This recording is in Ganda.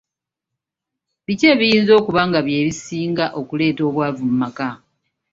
Biki ebiyinza okuba nga bye bisinga okuleeta obwavu mu maka?